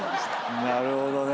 なるほどね。